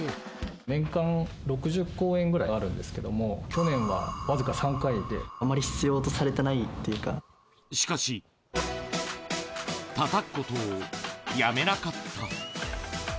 年間６０公演ぐらいあるんですけども、あまり必要とされてないってしかし、たたくことをやめなかった。